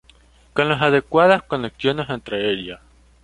Con las adecuadas conexiones entre ellas.